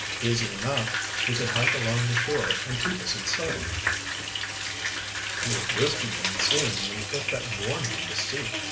"Easy enough. He could hike along the shore and keep us in sight." "He was risking being seen when he put that warning on the seat.